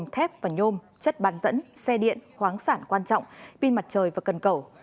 thép và nhôm chất bán dẫn xe điện khoáng sản quan trọng pin mặt trời và cần cầu